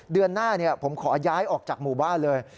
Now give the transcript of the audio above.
เดือนหน้าผมขอย้ายออกจากหมู่บ้านเลย